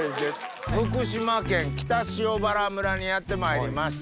福島県北塩原村にやってまいりました。